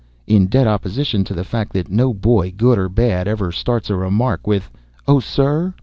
in dead opposition to the fact that no boy, good or bad, ever starts a remark with "Oh, sir."